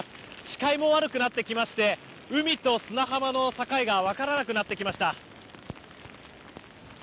視界も悪くなってきまして海と砂浜の境が分からなくなってきました。